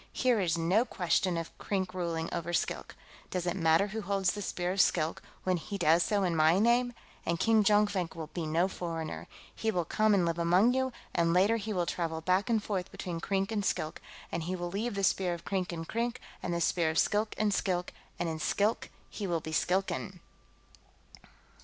"Here is no question of Krink ruling over Skilk. Does it matter who holds the Spear of Skilk, when he does so in my name? And King Jonkvank will be no foreigner. He will come and live among you, and later he will travel back and forth between Krink and Skilk, and he will leave the Spear of Krink in Krink, and the Spear of Skilk in Skilk, and in Skilk he will be a Skilkan."